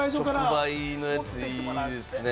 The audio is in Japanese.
直売のやつ、いいっすね！